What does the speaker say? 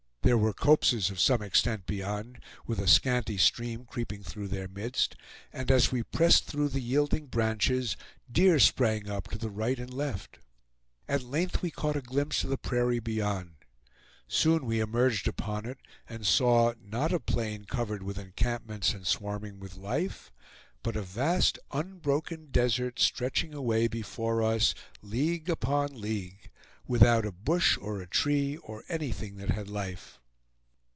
There were copses of some extent beyond, with a scanty stream creeping through their midst; and as we pressed through the yielding branches, deer sprang up to the right and left. At length we caught a glimpse of the prairie beyond. Soon we emerged upon it, and saw, not a plain covered with encampments and swarming with life, but a vast unbroken desert stretching away before us league upon league, without a bush or a tree or anything that had life.